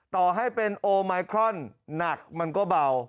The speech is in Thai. ต่อให้เป็นโอไมครอนหนักมันก็เบา